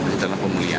di dalam pemulihan